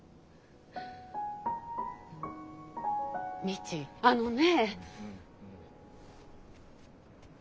未知あのね。